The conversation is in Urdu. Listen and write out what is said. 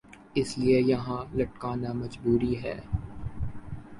اس لئے یہان لٹکنا مجبوری ہے